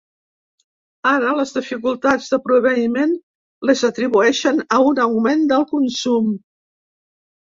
Ara, les dificultats de proveïment les atribueixen a un augment del consum.